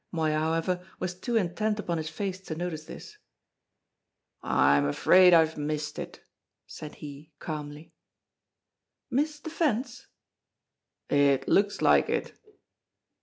Moya, however, was too intent upon his face to notice this. "I'm afraid I've missed it," said he calmly. "Missed the fence?" "It looks like it."